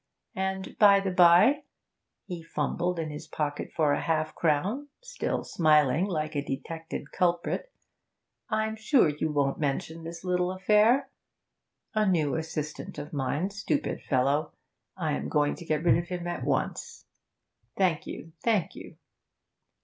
And, by the bye' he fumbled in his pocket for half a crown, still smiling like a detected culprit 'I'm sure you won't mention this little affair. A new assistant of mine stupid fellow I am going to get rid of him at once. Thank you, thank you.'